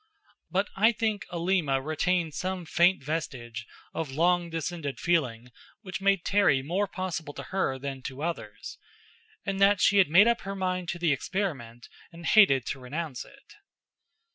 But I think Alima retained some faint vestige of long descended feeling which made Terry more possible to her than to others; and that she had made up her mind to the experiment and hated to renounce it.